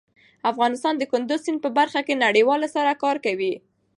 افغانستان د کندز سیند په برخه کې نړیوالو سره کار کوي.